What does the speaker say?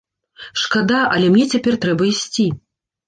Шкада, але мне цяпер трэба ісці.